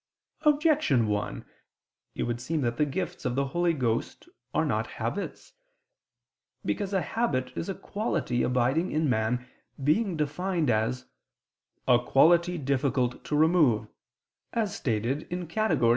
Objection 1: It would seem that the gifts of the Holy Ghost are not habits. Because a habit is a quality abiding in man, being defined as "a quality difficult to remove," as stated in the Predicaments (Categor.